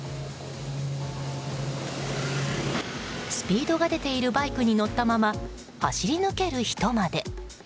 スピードが出ているバイクに乗ったまま走り抜ける人まで。